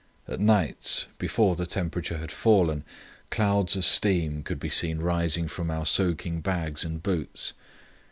At nights, before the temperature had fallen, clouds of steam could be seen rising from our soaking bags and boots.